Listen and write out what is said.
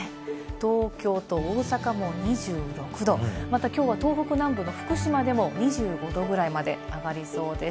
東京と大阪も２６度、また今日は東北南部の福島でも２５度ぐらいまで上がりそうです。